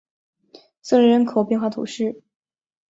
瑟雷人口变化图示